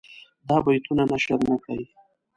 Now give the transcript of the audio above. دا بیتونه نشر نه کړي.